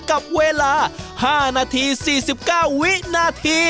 กับเวลา๕นาที๔๙วินาที